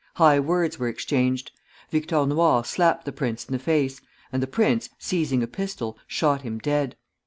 High words were exchanged. Victor Noir slapped the prince in the face, and the prince, seizing a pistol, shot him dead.